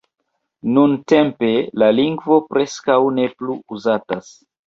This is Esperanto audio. Nuntempe la lingvo preskaŭ ne plu uzatas.